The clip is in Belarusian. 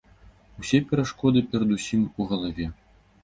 Усе перашкоды перадусім у галаве.